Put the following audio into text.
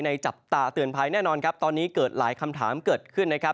จับตาเตือนภัยแน่นอนครับตอนนี้เกิดหลายคำถามเกิดขึ้นนะครับ